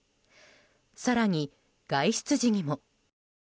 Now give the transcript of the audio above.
更に外出時にも。